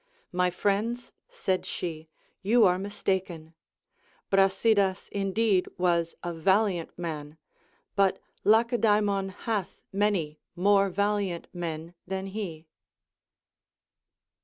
My friends, said she, you are mistaken ; Brasidas indeed was a valiant man, but Lacedaemon hath many more valiant men than he.